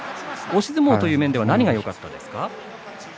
押し相撲という点では何がよかったですか？